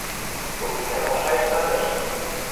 – Потикӓмок шайыштатыш...